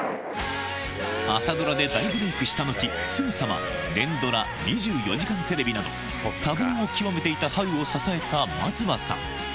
朝ドラで大ブレークした後、すぐさま連ドラ、２４時間テレビなど、多忙を極めていた波瑠を支えた松葉さん。